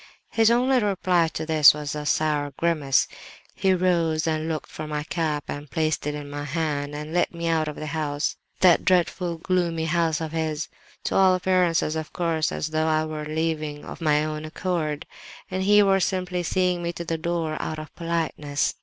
"His only reply to this was a sour grimace. He rose and looked for my cap, and placed it in my hand, and led me out of the house—that dreadful gloomy house of his—to all appearances, of course, as though I were leaving of my own accord, and he were simply seeing me to the door out of politeness.